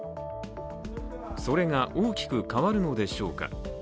それが大きく変わるのでしょうか。